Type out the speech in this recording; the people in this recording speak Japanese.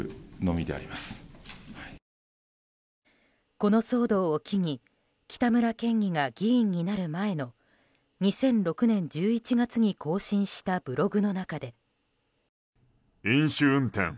この騒動を機に北村県議が議員になる前の２００６年１１月に更新したブログの中で。